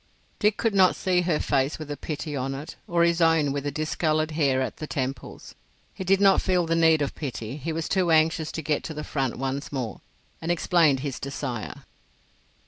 Dick could not see her face with the pity on it, or his own with the discoloured hair at the temples. He did not feel the need of pity; he was too anxious to get to the front once more, and explained his desire.